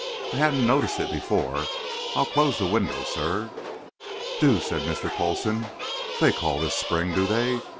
"I hadn't noticed it before. I'll close the window, Sir." "Do," said Mr. Coulson. "They call this spring, do they?